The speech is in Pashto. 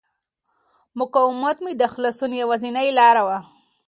مقاومت مې د خلاصون یوازینۍ لاره وه.